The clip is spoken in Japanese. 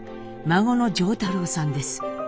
孫の譲太郎さんです。